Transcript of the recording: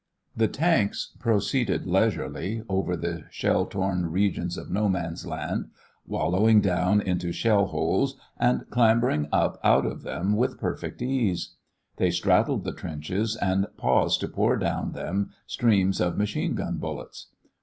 The tanks proceeded leisurely over the shell torn regions of No Man's Land, wallowing down into shell holes and clambering up out of them with perfect ease. They straddled the trenches and paused to pour down them streams of machine gun bullets.